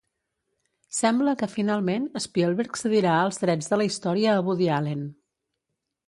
Sembla que finalment Spielberg cedirà els drets de la història a Woody Allen.